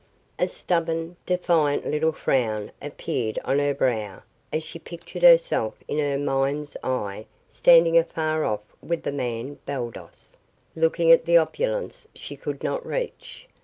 A stubborn, defiant little frown appeared on her brow as she pictured herself in her mind's eye standing afar off with "the man" Baldos, looking at the opulence she could not reach.